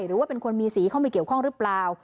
หรือว่าเป็นคนมีสีเข้ามาเกี่ยวข้องหรือเปล่า